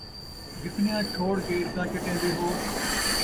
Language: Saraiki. ڳسنیاں چھوڑ کے ارکاں چٹین٘دے ہو